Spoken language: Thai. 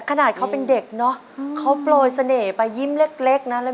ขนาดเขาเป็นเด็กเนอะเขาโปรยเสน่ห์ไปยิ้มเล็กนะ